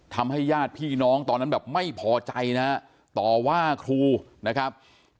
ญาติพี่น้องตอนนั้นแบบไม่พอใจนะฮะต่อว่าครูนะครับ